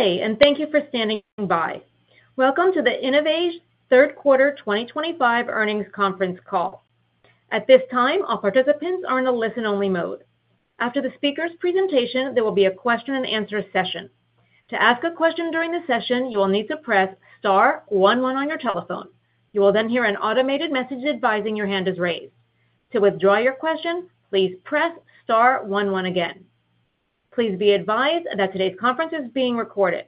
Today, and thank you for standing by. Welcome to the InnovAge Third Quarter 2025 Earnings Conference Call. At this time, all participants are in a listen-only mode. After the speaker's presentation, there will be a question-and-answer session. To ask a question during the session, you will need to press star 11 on your telephone. You will then hear an automated message advising your hand is raised. To withdraw your question, please press star 11 again. Please be advised that today's conference is being recorded.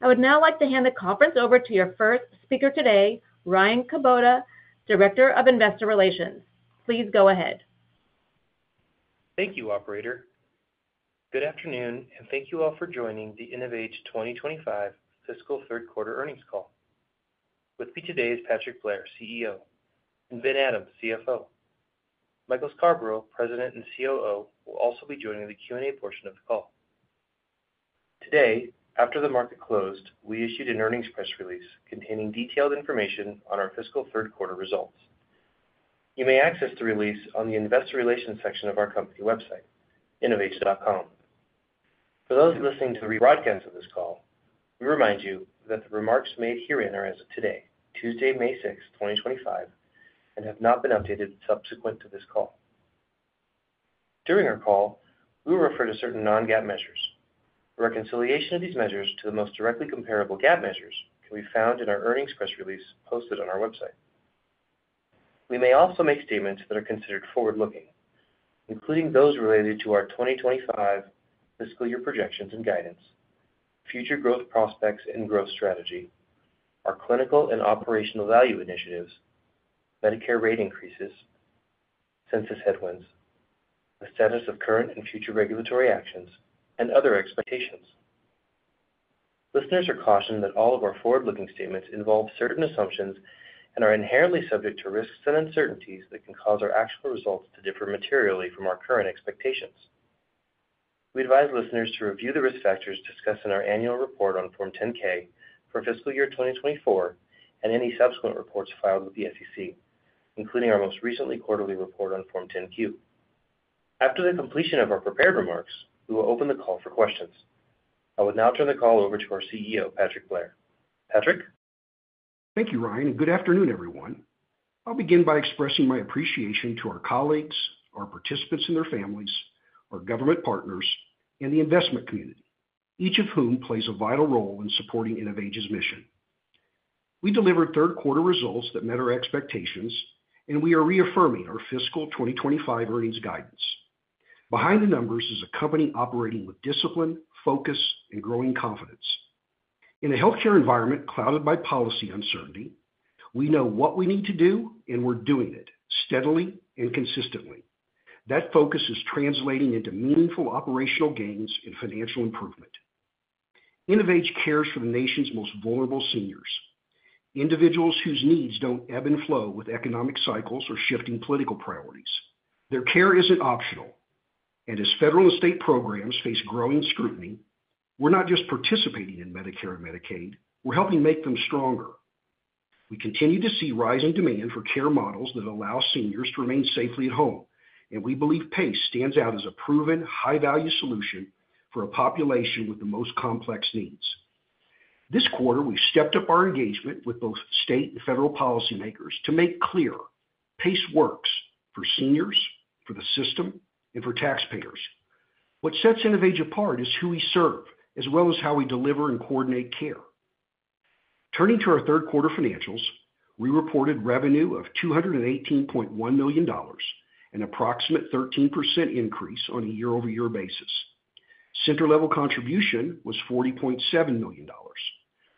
I would now like to hand the conference over to your first speaker today, Ryan Kubota, Director of Investor Relations. Please go ahead. Thank you, Operator. Good afternoon, and thank you all for joining the InnovAge 2025 Fiscal Third Quarter Earnings Call. With me today is Patrick Blair, CEO, and Ben Adams, CFO. Michael Scarbrough, President and COO, will also be joining the Q&A portion of the call. Today, after the market closed, we issued an earnings press release containing detailed information on our fiscal third quarter results. You may access the release on the Investor Relations section of our company website, innovage.com. For those listening to the broadcast of this call, we remind you that the remarks made here and there as of today, Tuesday, May 6, 2025, have not been updated subsequent to this call. During our call, we will refer to certain non-GAAP measures. The reconciliation of these measures to the most directly comparable GAAP measures can be found in our earnings press release posted on our website. We may also make statements that are considered forward-looking, including those related to our 2025 fiscal year projections and guidance, future growth prospects and growth strategy, our clinical and operational value initiatives, Medicare rate increases, census headwinds, the status of current and future regulatory actions, and other expectations. Listeners are cautioned that all of our forward-looking statements involve certain assumptions and are inherently subject to risks and uncertainties that can cause our actual results to differ materially from our current expectations. We advise listeners to review the risk factors discussed in our annual report on Form 10-K for fiscal year 2024 and any subsequent reports filed with the SEC, including our most recent quarterly report on Form 10-Q. After the completion of our prepared remarks, we will open the call for questions. I will now turn the call over to our CEO, Patrick Blair. Patrick? Thank you, Ryan, and good afternoon, everyone. I'll begin by expressing my appreciation to our colleagues, our participants and their families, our government partners, and the investment community, each of whom plays a vital role in supporting InnovAge's mission. We delivered third quarter results that met our expectations, and we are reaffirming our fiscal 2025 earnings guidance. Behind the numbers is a company operating with discipline, focus, and growing confidence. In a healthcare environment clouded by policy uncertainty, we know what we need to do, and we're doing it steadily and consistently. That focus is translating into meaningful operational gains and financial improvement. InnovAge cares for the nation's most vulnerable seniors, individuals whose needs don't ebb and flow with economic cycles or shifting political priorities. Their care isn't optional. As federal and state programs face growing scrutiny, we're not just participating in Medicare and Medicaid; we're helping make them stronger. We continue to see rising demand for care models that allow seniors to remain safely at home, and we believe PACE stands out as a proven, high-value solution for a population with the most complex needs. This quarter, we've stepped up our engagement with both state and federal policymakers to make clear: PACE works for seniors, for the system, and for taxpayers. What sets InnovAge apart is who we serve, as well as how we deliver and coordinate care. Turning to our third quarter financials, we reported revenue of $218.1 million and an approximate 13% increase on a year-over-year basis. Center-level contribution was $40.7 million,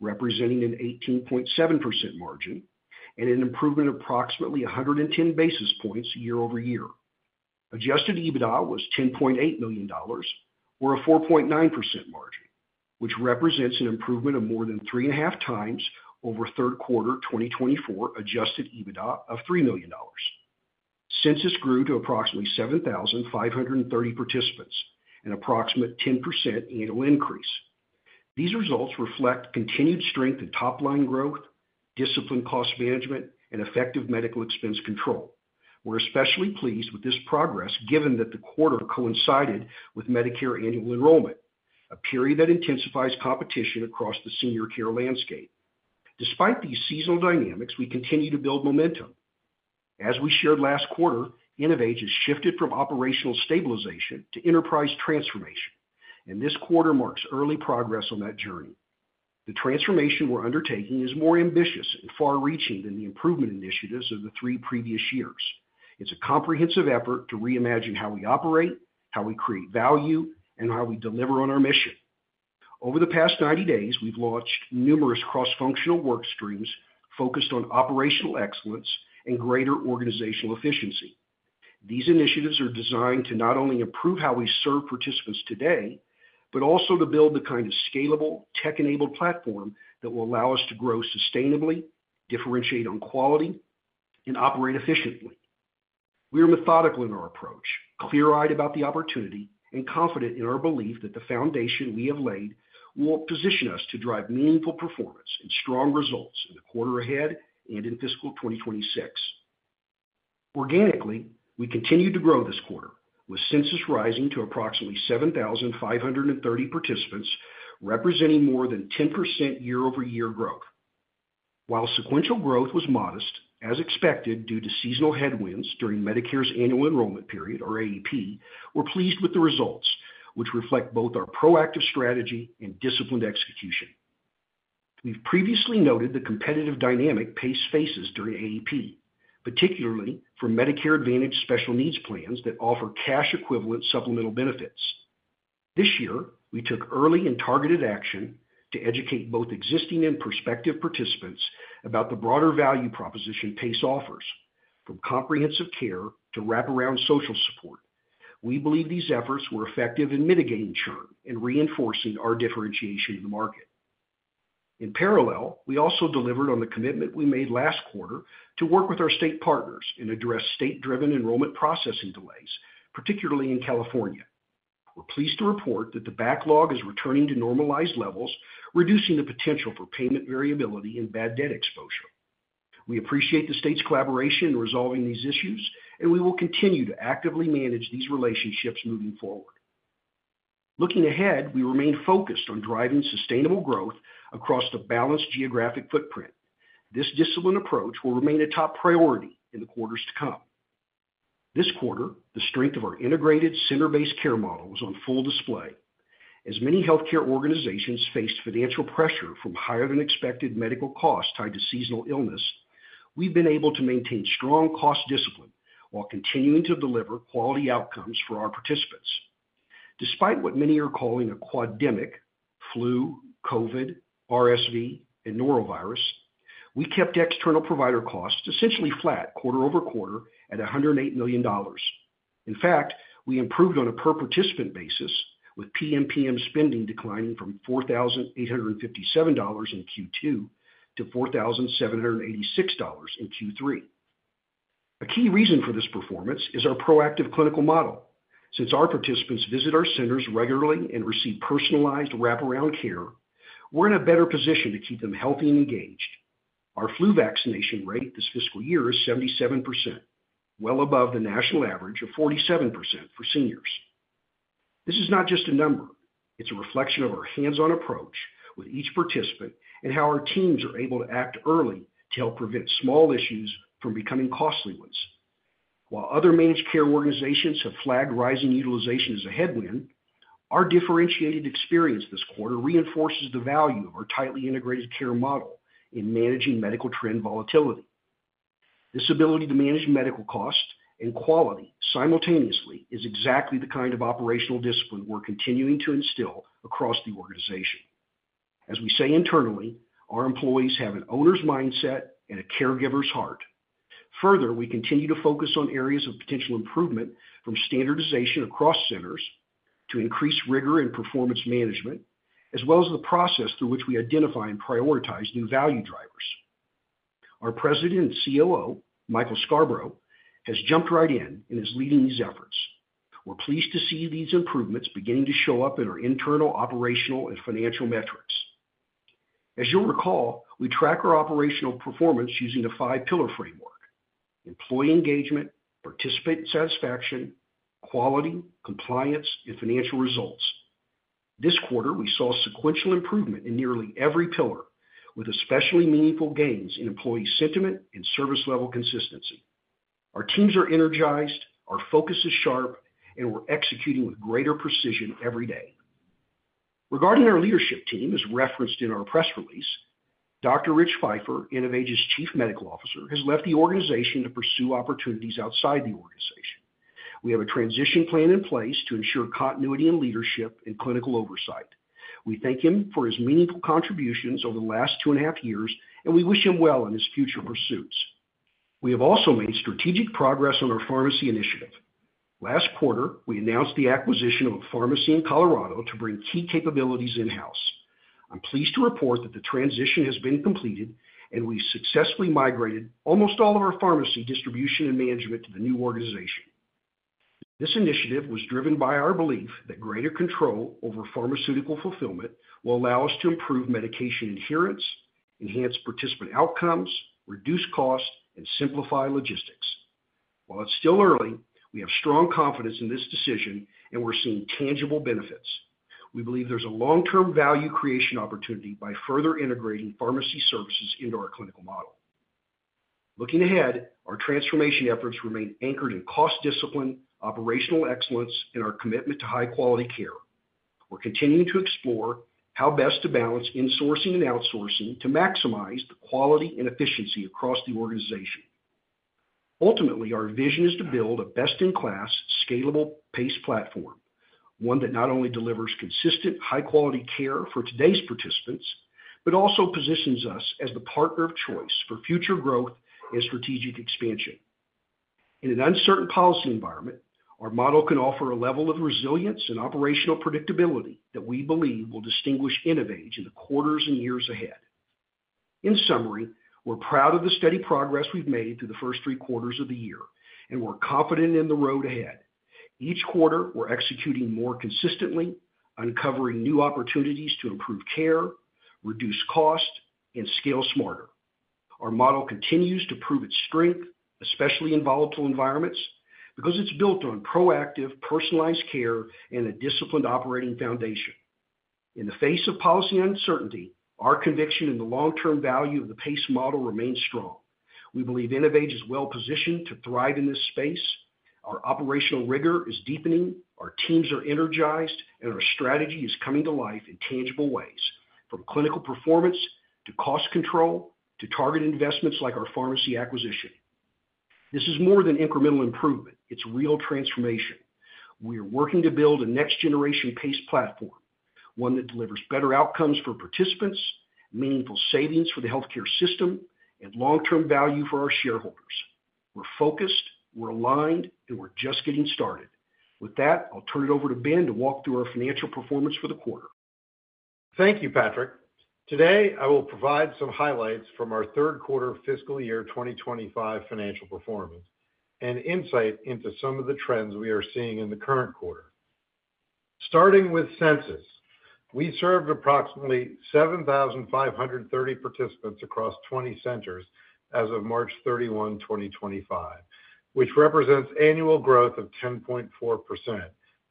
representing an 18.7% margin and an improvement of approximately 110 basis points year-over-year. Adjusted EBITDA was $10.8 million, or a 4.9% margin, which represents an improvement of more than 3.5 over third quarter 2024 adjusted EBITDA of $3 million. Census grew to approximately 7,530 participants and an approximate 10% annual increase. These results reflect continued strength in top-line growth, disciplined cost management, and effective medical expense control. We're especially pleased with this progress, given that the quarter coincided with Medicare annual enrollment, a period that intensifies competition across the senior care landscape. Despite these seasonal dynamics, we continue to build momentum. As we shared last quarter, InnovAge has shifted from operational stabilization to enterprise transformation, and this quarter marks early progress on that journey. The transformation we're undertaking is more ambitious and far-reaching than the improvement initiatives of the three previous years. It's a comprehensive effort to reimagine how we operate, how we create value, and how we deliver on our mission. Over the past 90 days, we've launched numerous cross-functional work streams focused on operational excellence and greater organizational efficiency. These initiatives are designed to not only improve how we serve participants today, but also to build the kind of scalable, tech-enabled platform that will allow us to grow sustainably, differentiate on quality, and operate efficiently. We are methodical in our approach, clear-eyed about the opportunity, and confident in our belief that the foundation we have laid will position us to drive meaningful performance and strong results in the quarter ahead and in fiscal 2026. Organically, we continue to grow this quarter, with census rising to approximately 7,530 participants, representing more than 10% year-over-year growth. While sequential growth was modest, as expected due to seasonal headwinds during Medicare's Annual Enrollment Period, or AEP, we're pleased with the results, which reflect both our proactive strategy and disciplined execution. We've previously noted the competitive dynamic PACE faces during AEP, particularly for Medicare Advantage special needs plans that offer cash-equivalent supplemental benefits. This year, we took early and targeted action to educate both existing and prospective participants about the broader value proposition PACE offers, from comprehensive care to wraparound social support. We believe these efforts were effective in mitigating churn and reinforcing our differentiation in the market. In parallel, we also delivered on the commitment we made last quarter to work with our state partners and address state-driven enrollment processing delays, particularly in California. We're pleased to report that the backlog is returning to normalized levels, reducing the potential for payment variability and bad debt exposure. We appreciate the state's collaboration in resolving these issues, and we will continue to actively manage these relationships moving forward. Looking ahead, we remain focused on driving sustainable growth across the balanced geographic footprint. This disciplined approach will remain a top priority in the quarters to come. This quarter, the strength of our integrated center-based care model is on full display. As many healthcare organizations faced financial pressure from higher-than-expected medical costs tied to seasonal illness, we've been able to maintain strong cost discipline while continuing to deliver quality outcomes for our participants. Despite what many are calling a quad-demicflu, COVID, RSV, and Norovirus—we kept external provider costs essentially flat quarter over quarter at $108 million. In fact, we improved on a per-participant basis, with PMPM spending declining from $4,857 in Q2 to $4,786 in Q3. A key reason for this performance is our proactive clinical model. Since our participants visit our centers regularly and receive personalized wraparound care, we're in a better position to keep them healthy and engaged. Our flu vaccination rate this fiscal year is 77%, well above the national average of 47% for seniors. This is not just a number; it's a reflection of our hands-on approach with each participant and how our teams are able to act early to help prevent small issues from becoming costly ones. While other managed care organizations have flagged rising utilization as a headwind, our differentiated experience this quarter reinforces the value of our tightly integrated care model in managing medical trend volatility. This ability to manage medical costs and quality simultaneously is exactly the kind of operational discipline we're continuing to instill across the organization. As we say internally, our employees have an owner's mindset and a caregiver's heart. Further, we continue to focus on areas of potential improvement, from standardization across centers to increased rigor in performance management, as well as the process through which we identify and prioritize new value drivers. Our President and COO, Michael Scarbrough, has jumped right in and is leading these efforts. We're pleased to see these improvements beginning to show up in our internal operational and financial metrics. As you'll recall, we track our operational performance using a five-pillar framework: employee engagement, participant satisfaction, quality, compliance, and financial results. This quarter, we saw sequential improvement in nearly every pillar, with especially meaningful gains in employee sentiment and service-level consistency. Our teams are energized, our focus is sharp, and we're executing with greater precision every day. Regarding our leadership team, as referenced in our press release, Dr. Rich Feifer, InnovAge's Chief Medical Officer, has left the organization to pursue opportunities outside the organization. We have a transition plan in place to ensure continuity in leadership and clinical oversight. We thank him for his meaningful contributions over the last two and a half years, and we wish him well in his future pursuits. We have also made strategic progress on our pharmacy initiative. Last quarter, we announced the acquisition of a pharmacy in Colorado to bring key capabilities in-house. I'm pleased to report that the transition has been completed, and we've successfully migrated almost all of our pharmacy distribution and management to the new organization. This initiative was driven by our belief that greater control over pharmaceutical fulfillment will allow us to improve medication adherence, enhance participant outcomes, reduce costs, and simplify logistics. While it's still early, we have strong confidence in this decision, and we're seeing tangible benefits. We believe there's a long-term value creation opportunity by further integrating pharmacy services into our clinical model. Looking ahead, our transformation efforts remain anchored in cost discipline, operational excellence, and our commitment to high-quality care. We're continuing to explore how best to balance insourcing and outsourcing to maximize the quality and efficiency across the organization. Ultimately, our vision is to build a best-in-class, scalable PACE platform, one that not only delivers consistent, high-quality care for today's participants, but also positions us as the partner of choice for future growth and strategic expansion. In an uncertain policy environment, our model can offer a level of resilience and operational predictability that we believe will distinguish InnovAge in the quarters and years ahead. In summary, we're proud of the steady progress we've made through the first three quarters of the year, and we're confident in the road ahead. Each quarter, we're executing more consistently, uncovering new opportunities to improve care, reduce costs, and scale smarter. Our model continues to prove its strength, especially in volatile environments, because it's built on proactive, personalized care and a disciplined operating foundation. In the face of policy uncertainty, our conviction in the long-term value of the PACE model remains strong. We believe InnovAge is well-positioned to thrive in this space. Our operational rigor is deepening, our teams are energized, and our strategy is coming to life in tangible ways, from clinical performance to cost control to targeted investments like our pharmacy acquisition. This is more than incremental improvement; it's real transformation. We are working to build a next-generation PACE platform, one that delivers better outcomes for participants, meaningful savings for the healthcare system, and long-term value for our shareholders. We're focused, we're aligned, and we're just getting started. With that, I'll turn it over to Ben to walk through our financial performance for the quarter. Thank you, Patrick. Today, I will provide some highlights from our third quarter fiscal year 2025 financial performance and insight into some of the trends we are seeing in the current quarter. Starting with census, we served approximately 7,530 participants across 20 centers as of March 31, 2025, which represents annual growth of 10.4%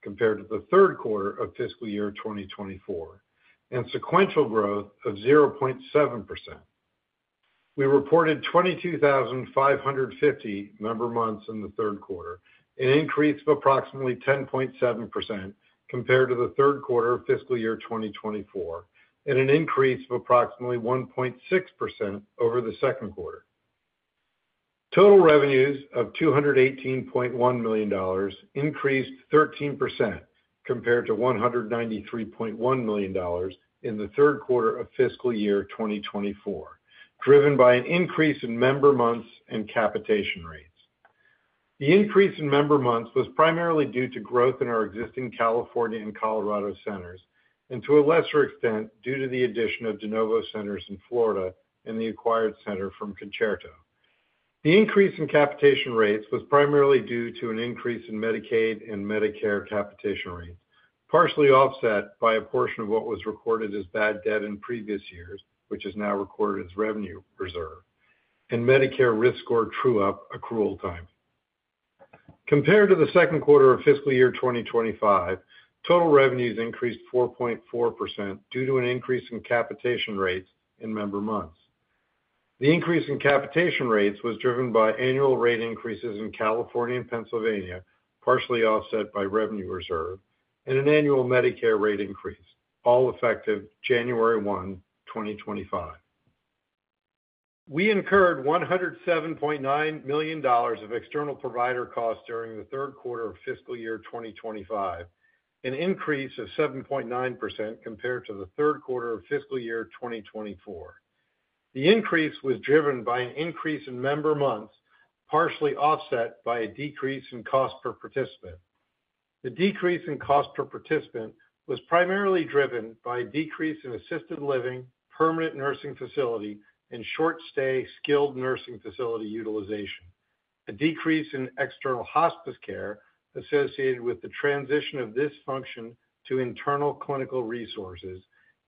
compared to the third quarter of fiscal year 2024, and sequential growth of 0.7%. We reported 22,550 member months in the third quarter, an increase of approximately 10.7% compared to the third quarter of fiscal year 2024, and an increase of approximately 1.6% over the second quarter. Total revenues of $218.1 million increased 13% compared to $193.1 million in the third quarter of fiscal year 2024, driven by an increase in member months and capitation rates. The increase in member months was primarily due to growth in our existing California and Colorado centers, and to a lesser extent due to the addition of DeNovo centers in Florida and the acquired center from Concerto. The increase in capitation rates was primarily due to an increase in Medicaid and Medicare capitation rates, partially offset by a portion of what was recorded as bad debt in previous years, which is now recorded as revenue reserve, and Medicare risk score true-up accrual timing. Compared to the second quarter of fiscal year 2025, total revenues increased 4.4% due to an increase in capitation rates and member months. The increase in capitation rates was driven by annual rate increases in California and Pennsylvania, partially offset by revenue reserve, and an annual Medicare rate increase, all effective January 1, 2025. We incurred $107.9 million of external provider costs during the third quarter of fiscal year 2025, an increase of 7.9% compared to the third quarter of fiscal year 2024. The increase was driven by an increase in member months, partially offset by a decrease in cost per participant. The decrease in cost per participant was primarily driven by a decrease in assisted living, permanent nursing facility, and short-stay skilled nursing facility utilization, a decrease in external hospice care associated with the transition of this function to internal clinical resources,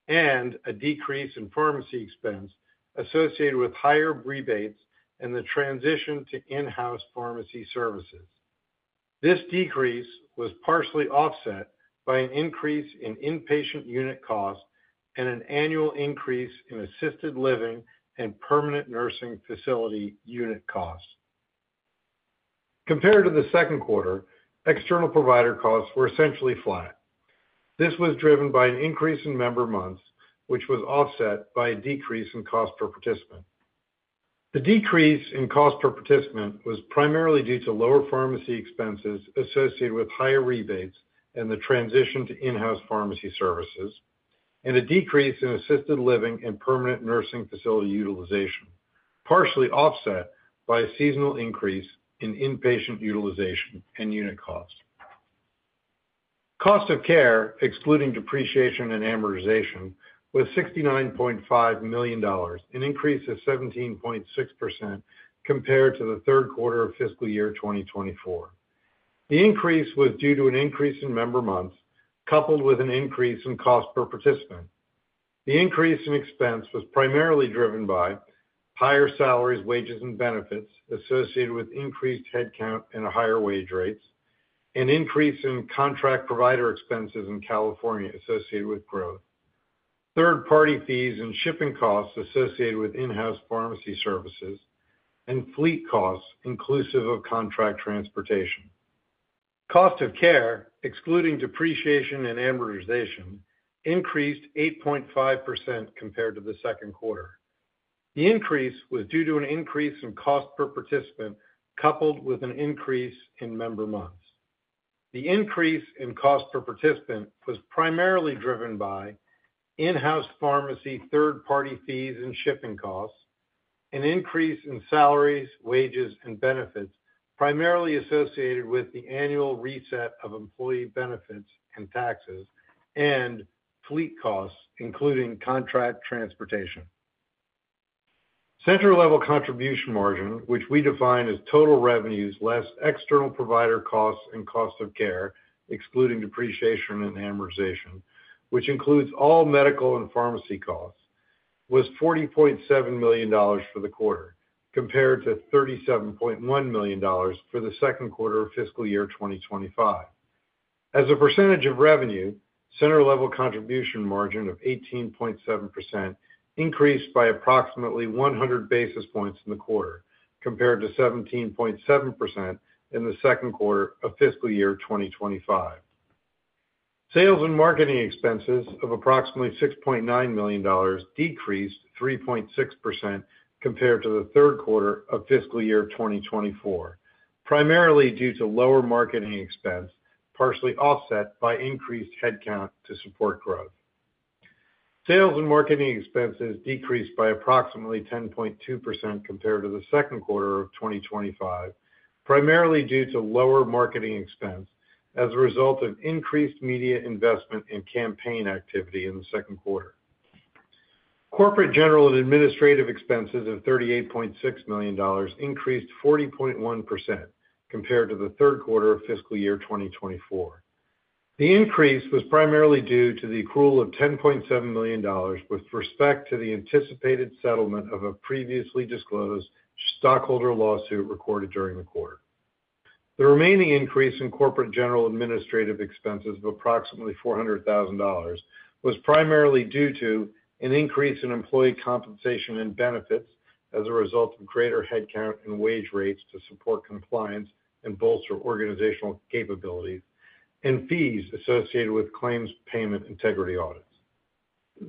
and a decrease in pharmacy expense associated with higher rebates and the transition to in-house pharmacy services. This decrease was partially offset by an increase in inpatient unit costs and an annual increase in assisted living and permanent nursing facility unit costs. Compared to the second quarter, external provider costs were essentially flat. This was driven by an increase in member months, which was offset by a decrease in cost per participant. The decrease in cost per participant was primarily due to lower pharmacy expenses associated with higher rebates and the transition to in-house pharmacy services, and a decrease in assisted living and permanent nursing facility utilization, partially offset by a seasonal increase in inpatient utilization and unit costs. Cost of care, excluding depreciation and amortization, was $69.5 million, an increase of 17.6% compared to the third quarter of fiscal year 2024. The increase was due to an increase in member months coupled with an increase in cost per participant. The increase in expense was primarily driven by higher salaries, wages, and benefits associated with increased headcount and higher wage rates, an increase in contract provider expenses in California associated with growth, third-party fees and shipping costs associated with in-house pharmacy services, and fleet costs inclusive of contract transportation. Cost of care, excluding depreciation and amortization, increased 8.5% compared to the second quarter. The increase was due to an increase in cost per participant coupled with an increase in member months. The increase in cost per participant was primarily driven by in-house pharmacy third-party fees and shipping costs, an increase in salaries, wages, and benefits primarily associated with the annual reset of employee benefits and taxes, and fleet costs, including contract transportation. Center-level contribution margin, which we define as total revenues less external provider costs and cost of care, excluding depreciation and amortization, which includes all medical and pharmacy costs, was $40.7 million for the quarter, compared to $37.1 million for the second quarter of fiscal year 2025. As a percentage of revenue, center-level contribution margin of 18.7% increased by approximately 100 basis points in the quarter, compared to 17.7% in the second quarter of fiscal year 2025. Sales and marketing expenses of approximately $6.9 million decreased 3.6% compared to the third quarter of fiscal year 2024, primarily due to lower marketing expense, partially offset by increased headcount to support growth. Sales and marketing expenses decreased by approximately 10.2% compared to the second quarter of 2025, primarily due to lower marketing expense as a result of increased media investment and campaign activity in the second quarter. Corporate, general and administrative expenses of $38.6 million increased 40.1% compared to the third quarter of fiscal year 2024. The increase was primarily due to the accrual of $10.7 million with respect to the anticipated settlement of a previously disclosed stockholder lawsuit recorded during the quarter. The remaining increase in corporate general administrative expenses of approximately $400,000 was primarily due to an increase in employee compensation and benefits as a result of greater headcount and wage rates to support compliance and bolster organizational capabilities, and fees associated with claims payment integrity audits.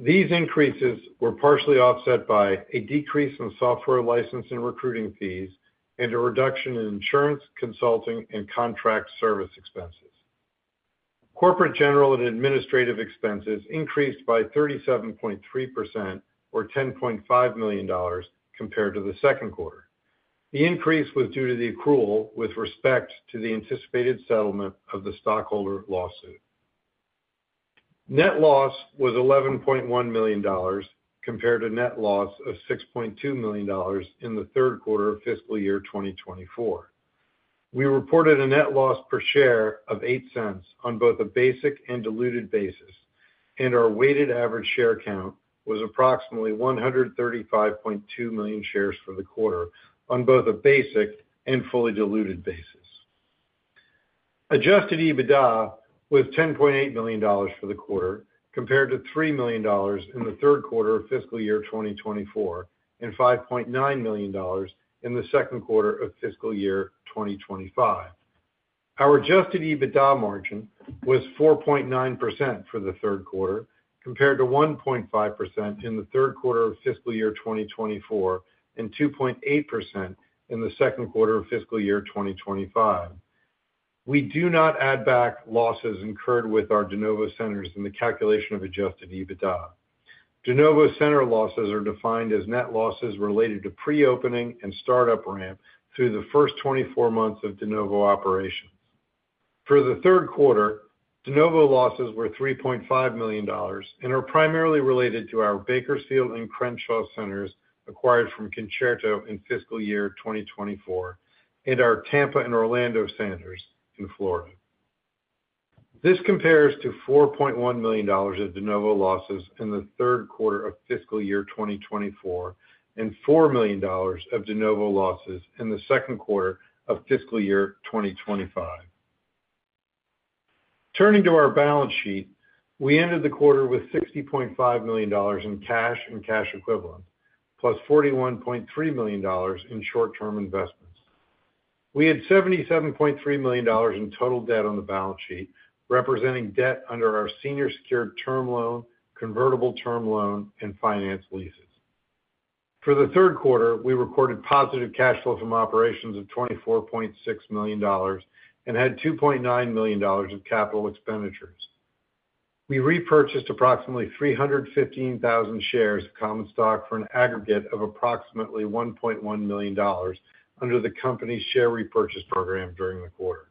These increases were partially offset by a decrease in software license and recruiting fees, and a reduction in insurance, consulting, and contract service expenses. Corporate general and administrative expenses increased by 37.3%, or $10.5 million, compared to the second quarter. The increase was due to the accrual with respect to the anticipated settlement of the stockholder lawsuit. Net loss was $11.1 million compared to net loss of $6.2 million in the third quarter of fiscal year 2024. We reported a net loss per share of $0.08 on both a basic and diluted basis, and our weighted average share count was approximately 135.2 million shares for the quarter on both a basic and fully diluted basis. Adjusted EBITDA was $10.8 million for the quarter, compared to $3 million in the third quarter of fiscal year 2024, and $5.9 million in the second quarter of fiscal year 2025. Our adjusted EBITDA margin was 4.9% for the third quarter, compared to 1.5% in the third quarter of fiscal year 2024, and 2.8% in the second quarter of fiscal year 2025. We do not add back losses incurred with our DeNovo centers in the calculation of adjusted EBITDA. DeNovo center losses are defined as net losses related to pre-opening and startup ramp through the first 24 months of DeNovo operations. For the third quarter, DeNovo losses were $3.5 million and are primarily related to our Bakersfield and Crenshaw centers acquired from Concerto in fiscal year 2024, and our Tampa and Orlando centers in Florida. This compares to $4.1 million of DeNovo losses in the third quarter of fiscal year 2024, and $4 million of DeNovo losses in the second quarter of fiscal year 2025. Turning to our balance sheet, we ended the quarter with $60.5 million in cash and cash equivalents, plus $41.3 million in short-term investments. We had $77.3 million in total debt on the balance sheet, representing debt under our senior secured term loan, convertible term loan, and finance leases. For the third quarter, we recorded positive cash flow from operations of $24.6 million and had $2.9 million of capital expenditures. We repurchased approximately 315,000 shares of common stock for an aggregate of approximately $1.1 million under the company's share repurchase program during the quarter.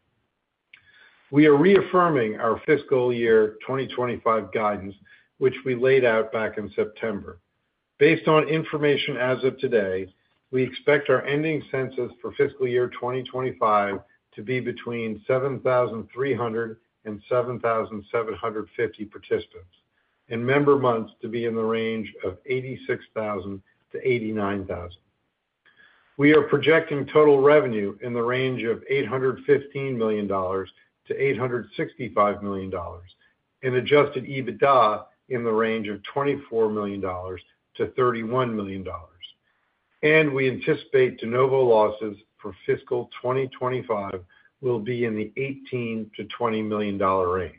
We are reaffirming our fiscal year 2025 guidance, which we laid out back in September. Based on information as of today, we expect our ending census for fiscal year 2025 to be between 7,300 and 7,750 participants, and member months to be in the range of 86,000 to 89,000. We are projecting total revenue in the range of $815 million-$865 million, and adjusted EBITDA in the range of $24 million-$31 million. We anticipate DeNovo losses for fiscal 2025 will be in the $18 million-$20 million range.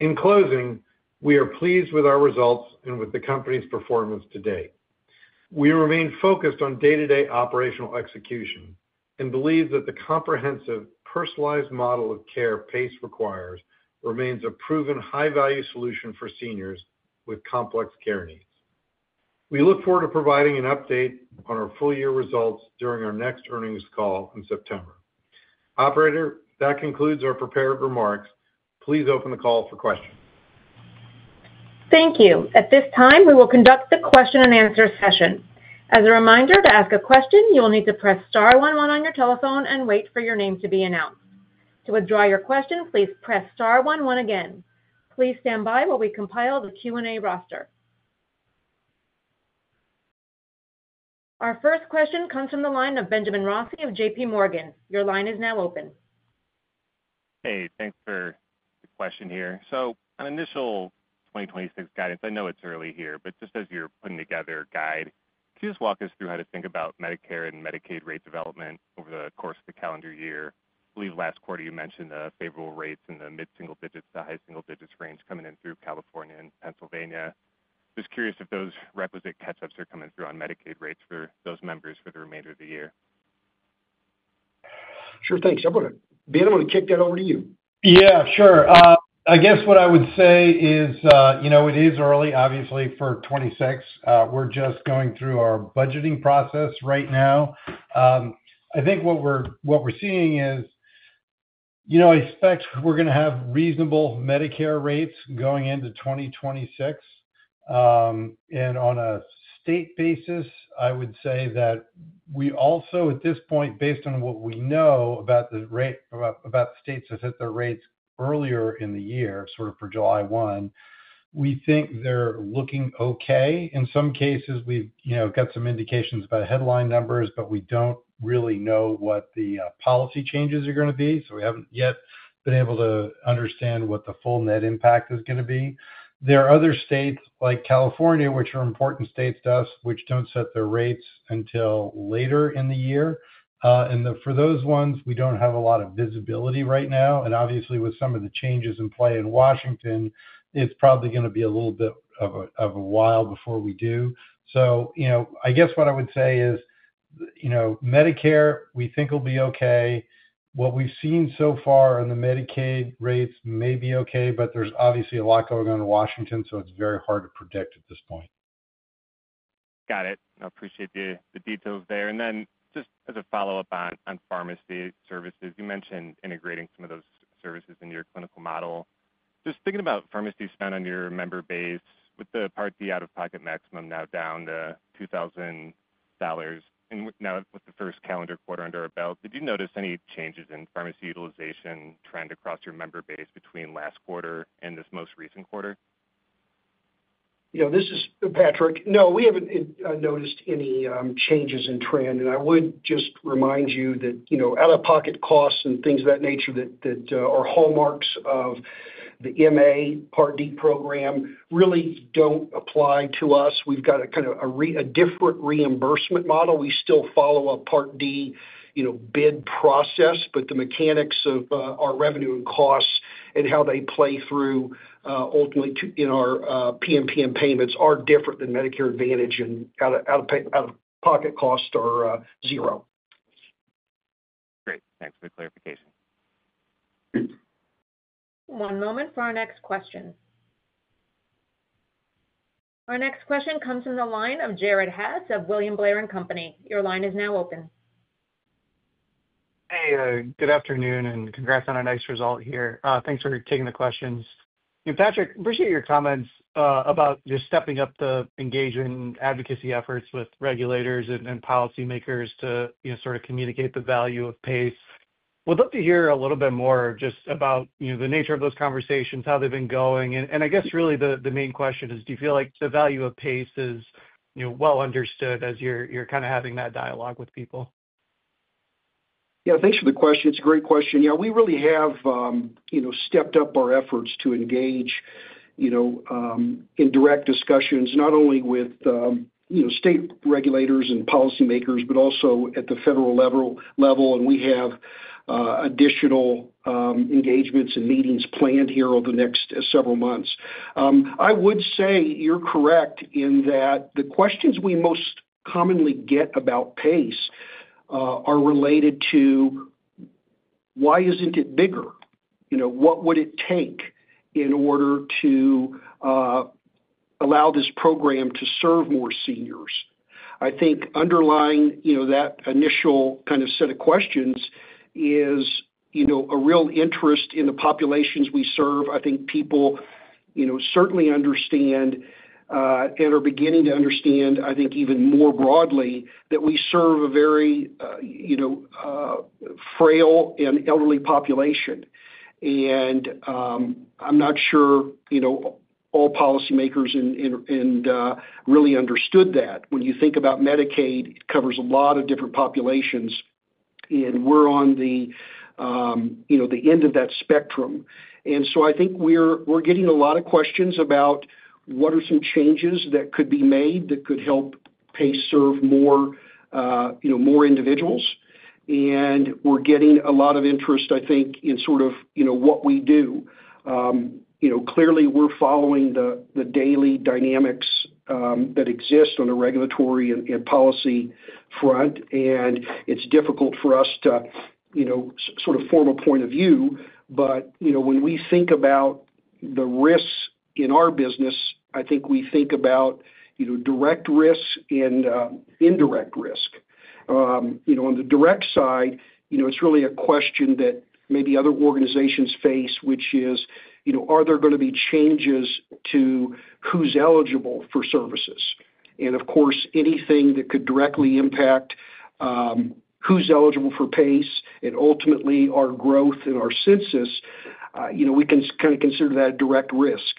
In closing, we are pleased with our results and with the company's performance to date. We remain focused on day-to-day operational execution and believe that the comprehensive, personalized model of care PACE requires remains a proven, high-value solution for seniors with complex care needs. We look forward to providing an update on our full-year results during our next earnings call in September. Operator, that concludes our prepared remarks. Please open the call for questions. Thank you. At this time, we will conduct the question-and-answer session. As a reminder, to ask a question, you will need to press star 11 on your telephone and wait for your name to be announced. To withdraw your question, please press star 11 again. Please stand by while we compile the Q&A roster. Our first question comes from the line of Benjamin Rossi of J.P. Morgan. Your line is now open. Hey, thanks for the question here. So an initial 2026 guidance, I know it's early here, but just as you're putting together a guide, could you just walk us through how to think about Medicare and Medicaid rate development over the course of the calendar year? I believe last quarter you mentioned the favorable rates in the mid-single digits to high-single digits range coming in through California and Pennsylvania. Just curious if those requisite catch-ups are coming through on Medicaid rates for those members for the remainder of the year. Sure, thanks. I'm going to be able to kick that over to you. Yeah, sure. I guess what I would say is, you know, it is early, obviously, for 2026. We're just going through our budgeting process right now. I think what we're seeing is, you know, I expect we're going to have reasonable Medicare rates going into 2026. On a state basis, I would say that we also, at this point, based on what we know about the rate, about states that hit their rates earlier in the year, sort of for July 1, we think they're looking okay. In some cases, we've, you know, got some indications about headline numbers, but we don't really know what the policy changes are going to be. We haven't yet been able to understand what the full net impact is going to be. There are other states like California, which are important states to us, which don't set their rates until later in the year. For those ones, we don't have a lot of visibility right now. Obviously, with some of the changes in play in Washington, it's probably going to be a little bit of a while before we do. You know, I guess what I would say is, you know, Medicare, we think will be okay. What we've seen so far on the Medicaid rates may be okay, but there's obviously a lot going on in Washington, so it's very hard to predict at this point. Got it. I appreciate the details there. Just as a follow-up on pharmacy services, you mentioned integrating some of those services in your clinical model. Just thinking about pharmacy spend on your member base with the Part D out-of-pocket maximum now down to $2,000 and now with the first calendar quarter under our belt, did you notice any changes in pharmacy utilization trend across your member base between last quarter and this most recent quarter? Yeah, this is Patrick. No, we haven't noticed any changes in trend. I would just remind you that, you know, out-of-pocket costs and things of that nature that are hallmarks of the MA Part D program really do not apply to us. We have got a kind of a different reimbursement model. We still follow a Part D, you know, bid process, but the mechanics of our revenue and costs and how they play through ultimately in our PMPM payments are different than Medicare Advantage, and out-of-pocket costs are zero. Great. Thanks for the clarification. One moment for our next question. Our next question comes from the line of Jared Haase of William Blair & Company. Your line is now open. Hey, good afternoon, and congrats on a nice result here. Thanks for taking the questions. Patrick, I appreciate your comments about just stepping up the engagement and advocacy efforts with regulators and policymakers to, you know, sort of communicate the value of PACE. We'd love to hear a little bit more just about, you know, the nature of those conversations, how they've been going. I guess really the main question is, do you feel like the value of PACE is, you know, well understood as you're kind of having that dialogue with people? Yeah, thanks for the question. It's a great question. Yeah, we really have, you know, stepped up our efforts to engage, you know, in direct discussions not only with, you know, state regulators and policymakers, but also at the federal level. We have additional engagements and meetings planned here over the next several months. I would say you're correct in that the questions we most commonly get about PACE are related to, why isn't it bigger? You know, what would it take in order to allow this program to serve more seniors? I think underlying, you know, that initial kind of set of questions is, you know, a real interest in the populations we serve. I think people, you know, certainly understand and are beginning to understand, I think even more broadly, that we serve a very, you know, frail and elderly population. I'm not sure, you know, all policymakers really understood that. When you think about Medicaid, it covers a lot of different populations, and we're on the, you know, the end of that spectrum. I think we're getting a lot of questions about what are some changes that could be made that could help PACE serve more, you know, more individuals. We're getting a lot of interest, I think, in sort of, you know, what we do. You know, clearly, we're following the daily dynamics that exist on the regulatory and policy front, and it's difficult for us to, you know, sort of form a point of view. You know, when we think about the risks in our business, I think we think about, you know, direct risks and indirect risk. You know, on the direct side, you know, it's really a question that maybe other organizations face, which is, you know, are there going to be changes to who's eligible for services? Of course, anything that could directly impact who's eligible for PACE and ultimately our growth and our census, you know, we can kind of consider that a direct risk.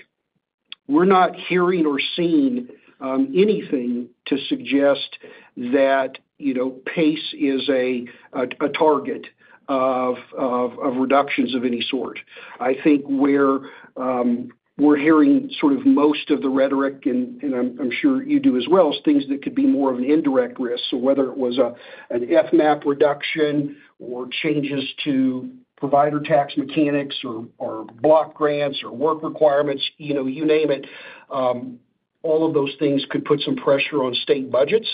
We're not hearing or seeing anything to suggest that, you know, PACE is a target of reductions of any sort. I think where we're hearing sort of most of the rhetoric, and I'm sure you do as well, is things that could be more of an indirect risk. Whether it was an FMAP reduction or changes to provider tax mechanics or block grants or work requirements, you know, you name it, all of those things could put some pressure on state budgets.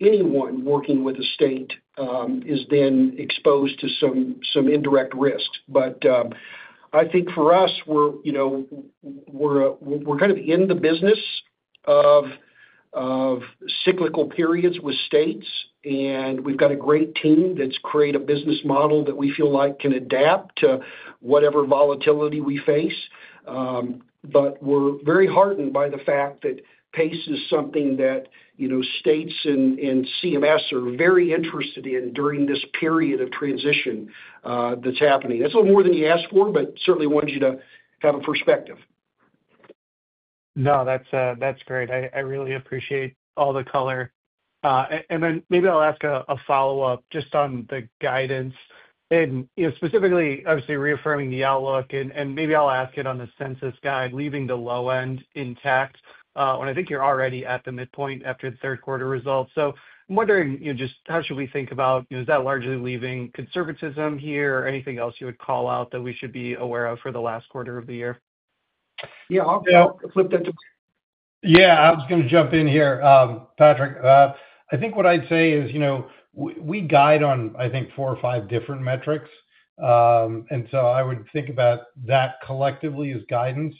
Anyone working with a state is then exposed to some indirect risk. I think for us, we're, you know, we're kind of in the business of cyclical periods with states, and we've got a great team that's created a business model that we feel like can adapt to whatever volatility we face. We're very heartened by the fact that PACE is something that, you know, states and CMS are very interested in during this period of transition that's happening. That's a little more than you ask for, but certainly wanted you to have a perspective. No, that's great. I really appreciate all the color. Maybe I'll ask a follow-up just on the guidance and, you know, specifically, obviously reaffirming the outlook. Maybe I'll ask it on the census guide, leaving the low end intact when I think you're already at the midpoint after the third quarter results. I'm wondering, you know, just how should we think about, you know, is that largely leaving conservatism here or anything else you would call out that we should be aware of for the last quarter of the year? Yeah, I'll flip that to you. Yeah, I was going to jump in here, Patrick. I think what I'd say is, you know, we guide on, I think, four or five different metrics. I would think about that collectively as guidance.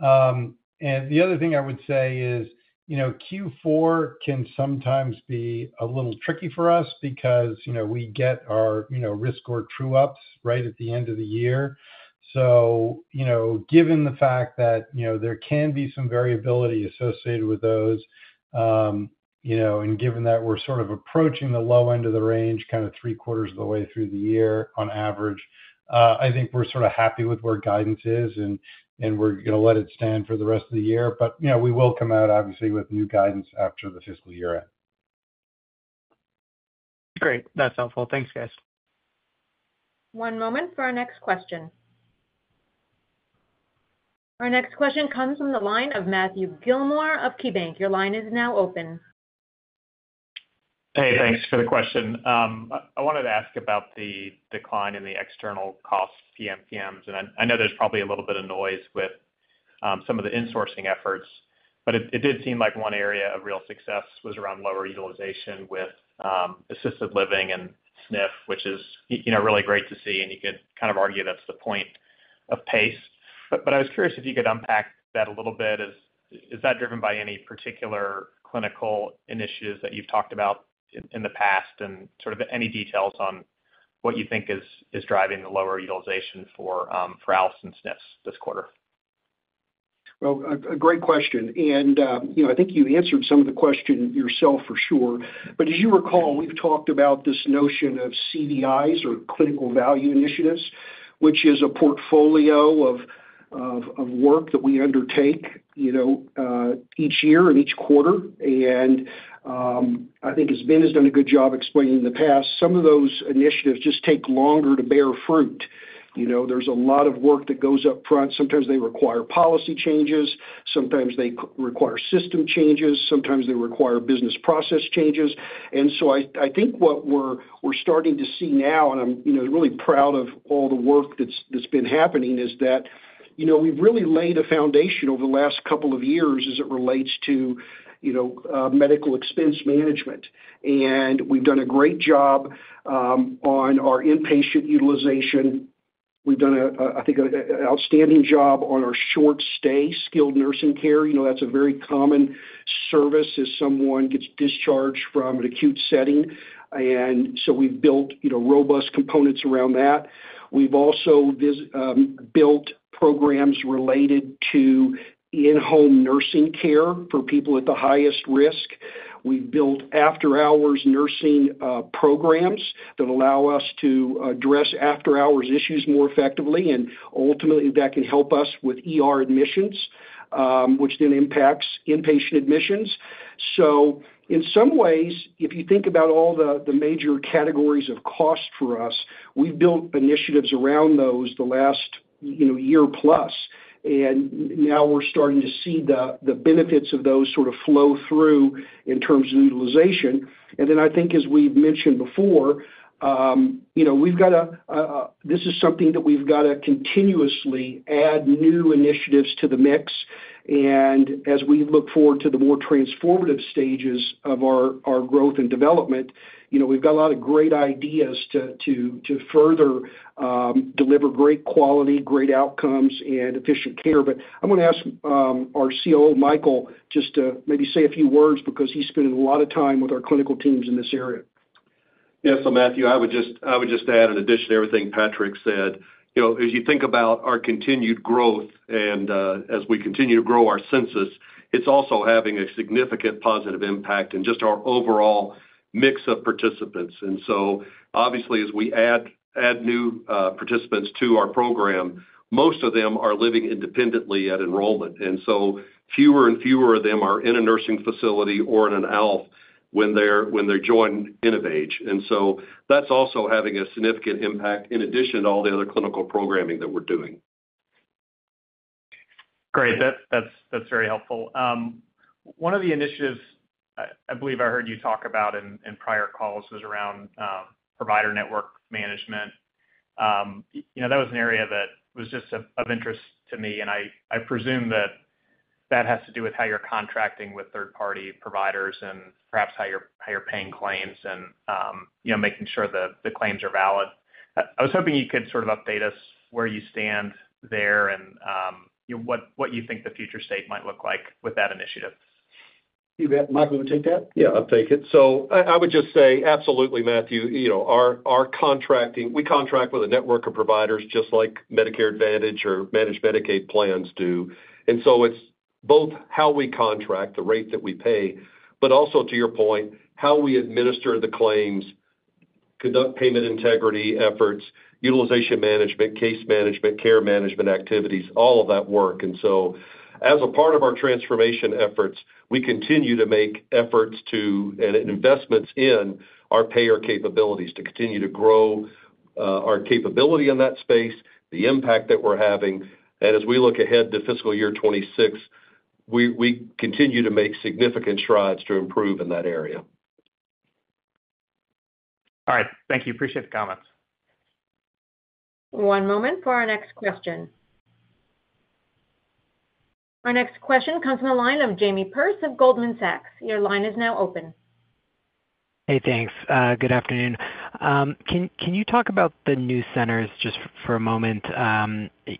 The other thing I would say is, you know, Q4 can sometimes be a little tricky for us because, you know, we get our, you know, risk score true-ups right at the end of the year. You know, given the fact that, you know, there can be some variability associated with those, you know, and given that we're sort of approaching the low end of the range, kind of three quarters of the way through the year on average, I think we're sort of happy with where guidance is, and we're going to let it stand for the rest of the year. You know, we will come out, obviously, with new guidance after the fiscal year end. Great. That's helpful. Thanks, guys. One moment for our next question. Our next question comes from the line of Matthew Gillmor of KeyBanc. Your line is now open. Hey, thanks for the question. I wanted to ask about the decline in the external cost PMPMs. I know there's probably a little bit of noise with some of the insourcing efforts, but it did seem like one area of real success was around lower utilization with assisted living and SNF, which is, you know, really great to see. You could kind of argue that's the point of PACE. I was curious if you could unpack that a little bit. Is that driven by any particular clinical initiatives that you've talked about in the past and sort of any details on what you think is driving the lower utilization for ALFs and SNFs this quarter? A great question. You know, I think you answered some of the question yourself, for sure. As you recall, we've talked about this notion of CVIs or clinical value initiatives, which is a portfolio of work that we undertake, you know, each year and each quarter. I think as Ben has done a good job explaining in the past, some of those initiatives just take longer to bear fruit. You know, there is a lot of work that goes upfront. Sometimes they require policy changes. Sometimes they require system changes. Sometimes they require business process changes. I think what we are starting to see now, and I am, you know, really proud of all the work that has been happening, is that, you know, we have really laid a foundation over the last couple of years as it relates to, you know, medical expense management. We have done a great job on our inpatient utilization. We have done, I think, an outstanding job on our short-stay skilled nursing care. You know, that is a very common service as someone gets discharged from an acute setting. We have built, you know, robust components around that. We've also built programs related to in-home nursing care for people at the highest risk. We've built after-hours nursing programs that allow us to address after-hours issues more effectively. Ultimately, that can help us with admissions, which then impacts inpatient admissions. In some ways, if you think about all the major categories of cost for us, we've built initiatives around those the last, you know, year plus. Now we're starting to see the benefits of those sort of flow through in terms of utilization. I think, as we've mentioned before, you know, we've got a—this is something that we've got to continuously add new initiatives to the mix. As we look forward to the more transformative stages of our growth and development, you know, we've got a lot of great ideas to further deliver great quality, great outcomes, and efficient care. I'm going to ask our COO, Michael, just to maybe say a few words because he's spending a lot of time with our clinical teams in this area. Yeah, so Matthew, I would just add in addition to everything Patrick said, you know, as you think about our continued growth and as we continue to grow our census, it's also having a significant positive impact in just our overall mix of participants. Obviously, as we add new participants to our program, most of them are living independently at enrollment. Fewer and fewer of them are in a nursing facility or in an ALF when they're joining InnovAge. That's also having a significant impact in addition to all the other clinical programming that we're doing. Great. That's very helpful. One of the initiatives I believe I heard you talk about in prior calls was around provider network management. You know, that was an area that was just of interest to me. I presume that has to do with how you're contracting with third-party providers and perhaps how you're paying claims and, you know, making sure the claims are valid. I was hoping you could sort of update us where you stand there and, you know, what you think the future state might look like with that initiative? Hey, Michael, you want to take that? Yeah, I'll take it. I would just say, absolutely, Matthew. You know, our contracting—we contract with a network of providers just like Medicare Advantage or Managed Medicaid plans do. It is both how we contract, the rate that we pay, but also, to your point, how we administer the claims, conduct payment integrity efforts, utilization management, case management, care management activities, all of that work. As a part of our transformation efforts, we continue to make efforts to—and investments in our payer capabilities to continue to grow our capability in that space, the impact that we are having. As we look ahead to fiscal year 2026, we continue to make significant strides to improve in that area. All right. Thank you. Appreciate the comments. One moment for our next question. Our next question comes from the line of Jamie Perse of Goldman Sachs. Your line is now open. Hey, thanks. Good afternoon. Can you talk about the new centers just for a moment?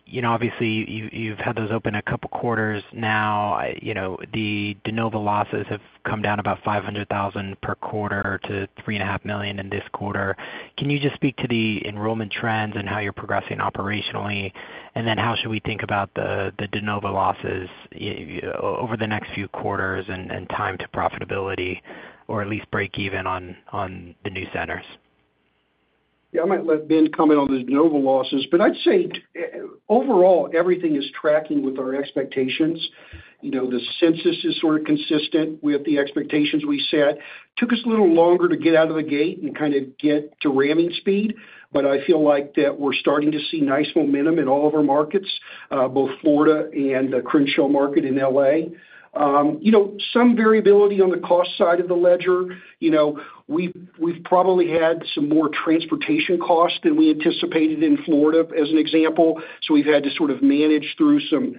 You know, obviously, you have had those open a couple quarters now. You know, the de novo losses have come down about $500,000 per quarter to $3.5 million in this quarter. Can you just speak to the enrollment trends and how you're progressing operationally? And then how should we think about the de novo losses over the next few quarters and time to profitability, or at least break even on the new centers? Yeah, I might let Ben comment on the de novo losses. But I'd say overall, everything is tracking with our expectations. You know, the census is sort of consistent with the expectations we set. Took us a little longer to get out of the gate and kind of get to ramming speed. But I feel like that we're starting to see nice momentum in all of our markets, both Florida and the Crenshaw market in Los Angeles. You know, some variability on the cost side of the ledger. You know, we've probably had some more transportation costs than we anticipated in Florida, as an example. So we've had to sort of manage through some,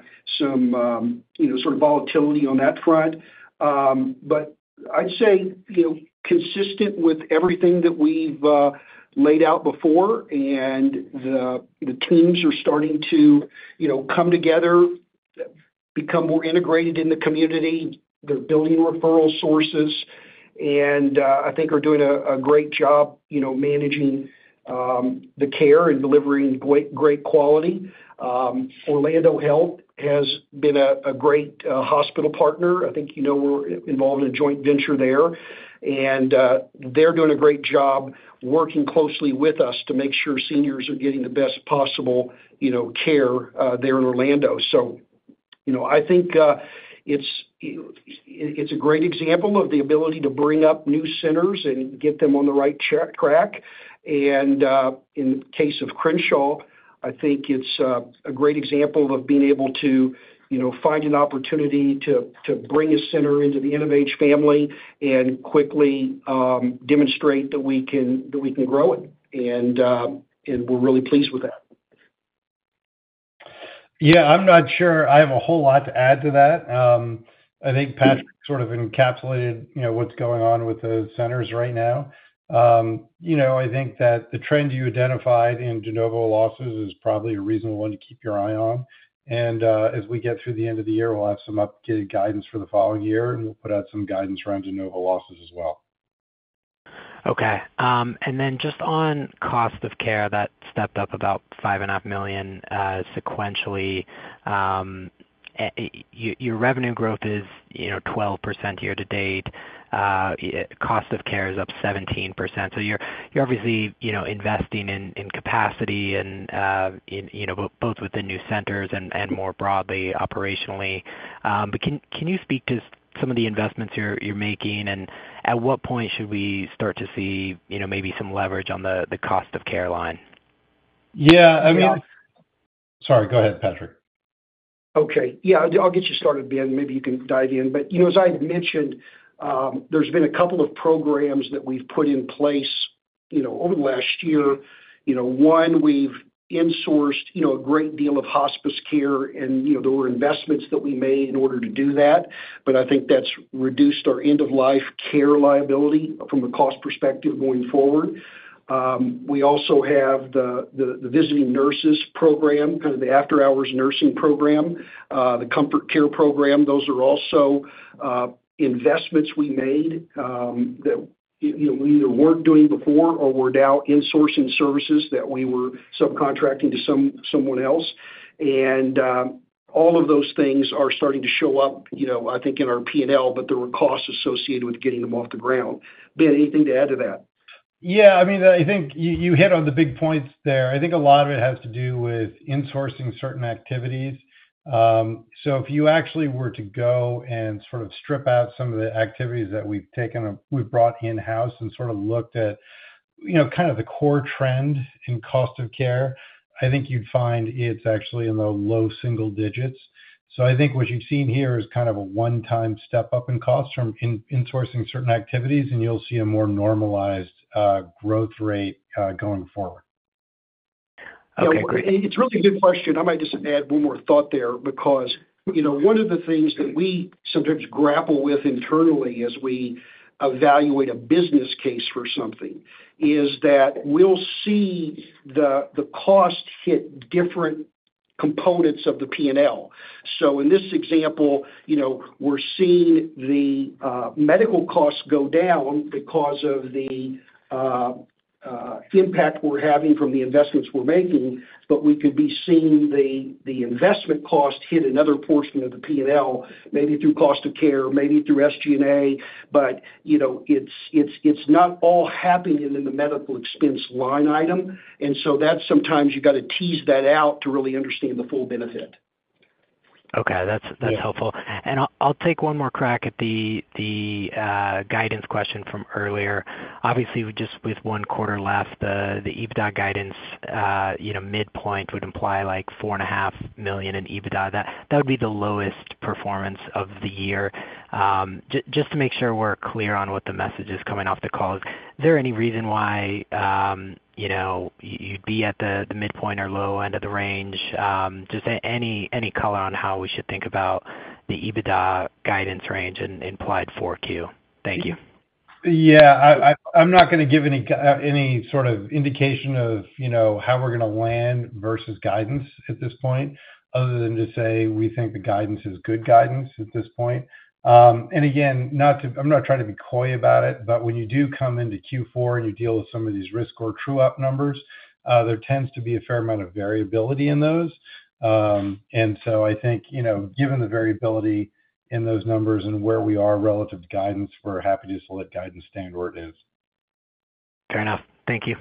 you know, sort of volatility on that front. I'd say, you know, consistent with everything that we've laid out before. The teams are starting to, you know, come together, become more integrated in the community. They're building referral sources. I think we're doing a great job, you know, managing the care and delivering great quality. Orlando Health has been a great hospital partner. I think, you know, we're involved in a joint venture there. They're doing a great job working closely with us to make sure seniors are getting the best possible, you know, care there in Orlando. You know, I think it's a great example of the ability to bring up new centers and get them on the right track. In the case of Crenshaw, I think it's a great example of being able to, you know, find an opportunity to bring a center into the InnovAge family and quickly demonstrate that we can grow it. We're really pleased with that. Yeah, I'm not sure I have a whole lot to add to that. I think Patrick sort of encapsulated, you know, what's going on with the centers right now. I think that the trend you identified in de novo losses is probably a reasonable one to keep your eye on. As we get through the end of the year, we'll have some updated guidance for the following year. We'll put out some guidance around de novo losses as well. Okay. And then just on cost of care, that stepped up about $5.5 million sequentially. Your revenue growth is, you know, 12% year to date. Cost of care is up 17%. You are obviously, you know, investing in capacity and, you know, both with the new centers and more broadly operationally. Can you speak to some of the investments you are making? At what point should we start to see, you know, maybe some leverage on the cost of care line? Yeah, I mean—sorry, go ahead, Patrick. Okay. Yeah, I will get you started, Ben. Maybe you can dive in. As I had mentioned, there have been a couple of programs that we have put in place, you know, over the last year. One, we have insourced, you know, a great deal of hospice care. You know, there were investments that we made in order to do that. I think that has reduced our end-of-life care liability from a cost perspective going forward. We also have the visiting nurses program, kind of the after-hours nursing program, the comfort care program. Those are also investments we made that, you know, we either were not doing before or are now insourcing services that we were subcontracting to someone else. All of those things are starting to show up, you know, I think in our P&L, but there were costs associated with getting them off the ground. Ben, anything to add to that? Yeah, I mean, I think you hit on the big points there. I think a lot of it has to do with insourcing certain activities. If you actually were to go and sort of strip out some of the activities that we've brought in-house and sort of looked at, you know, kind of the core trend in cost of care, I think you'd find it's actually in the low single digits. I think what you've seen here is kind of a one-time step up in cost from insourcing certain activities. You'll see a more normalized growth rate going forward. Okay, great. It's a really good question. I might just add one more thought there because, you know, one of the things that we sometimes grapple with internally as we evaluate a business case for something is that we'll see the cost hit different components of the P&L. In this example, you know, we're seeing the medical costs go down because of the impact we're having from the investments we're making. We could be seeing the investment cost hit another portion of the P&L, maybe through cost of care, maybe through SG&A. You know, it's not all happening in the medical expense line item. Sometimes you've got to tease that out to really understand the full benefit. Okay, that's helpful. I'll take one more crack at the guidance question from earlier. Obviously, just with one quarter left, the EBITDA guidance, you know, midpoint would imply like $4.5 million in EBITDA. That would be the lowest performance of the year. Just to make sure we're clear on what the message is coming off the call, is there any reason why, you know, you'd be at the midpoint or low end of the range? Just any color on how we should think about the EBITDA guidance range and implied 4Q? Thank you. Yeah, I'm not going to give any sort of indication of, you know, how we're going to land versus guidance at this point, other than to say we think the guidance is good guidance at this point. Again, I'm not trying to be coy about it. When you do come into Q4 and you deal with some of these risk or true-up numbers, there tends to be a fair amount of variability in those. I think, you know, given the variability in those numbers and where we are relative to guidance, we're happy just to let guidance stand where it is. Fair enough. Thank you.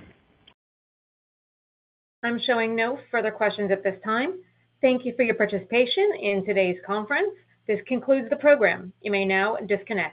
I'm showing no further questions at this time. Thank you for your participation in today's conference. This concludes the program. You may now disconnect.